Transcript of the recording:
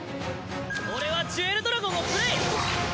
俺はジュエルドラゴンをプレイ！